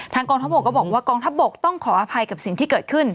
กองทัพบกก็บอกว่ากองทัพบกต้องขออภัยกับสิ่งที่เกิดขึ้น